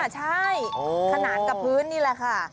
ใช่ขนาดกับพื้นนี่แหละค่ะ